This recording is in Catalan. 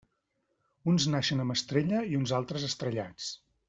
Uns naixen amb estrella i uns altres, estrellats.